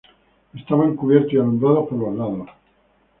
Estaban cubiertos y alumbrados por los lados.